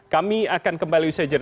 kami akan kembali usai jeda